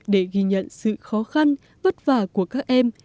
để ghi nhận sự khó khăn vất vả của các em